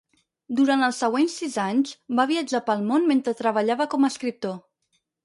Durant els següents sis anys va viatjar pel món mentre treballava com a escriptor.